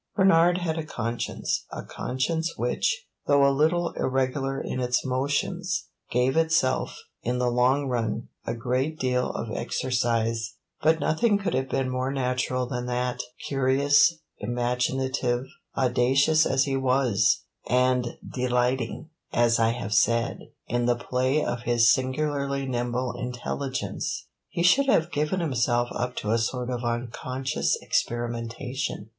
Bernard had a conscience a conscience which, though a little irregular in its motions, gave itself in the long run a great deal of exercise; but nothing could have been more natural than that, curious, imaginative, audacious as he was, and delighting, as I have said, in the play of his singularly nimble intelligence, he should have given himself up to a sort of unconscious experimentation.